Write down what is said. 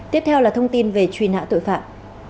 tiếp theo là thông tin về truy nã tội phạm